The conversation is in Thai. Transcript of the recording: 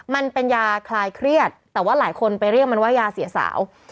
มันเป็นยาคลายเครียดแต่ว่าหลายคนไปเรียกมันว่ายาเสียสาว